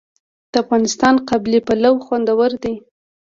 د افغانستان قابلي پلاو خوندور دی